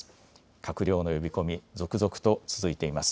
閣僚の呼び込み、続々と続いています。